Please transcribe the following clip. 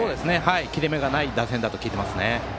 切れ目がない打線だと聞いていますね。